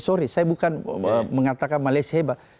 sorry saya bukan mengatakan malaysia hebat